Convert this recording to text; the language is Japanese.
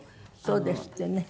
そうですってね。